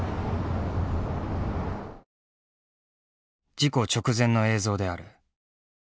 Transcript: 事故直前の映像である。